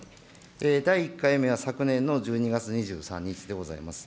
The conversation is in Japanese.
第１回目の昨年の１２月３１日でございます。